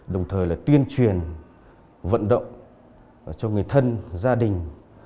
đồng thời là tuyên truyền vận động cho người thân gia đình